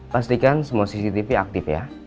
pastikan semua cctv aktif ya